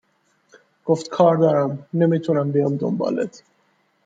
گفت کار دارم نمی تونم بیام دنبالت